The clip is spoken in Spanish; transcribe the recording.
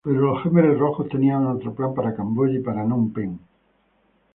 Pero los jemeres rojos tenían otro plan para Camboya y para Nom Pen.